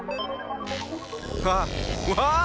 あっわあ！